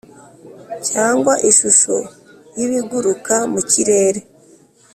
cyangwa ishusho y’ibiguruka mu kirere,